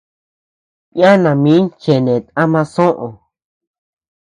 Yana min chenet ama soʼö.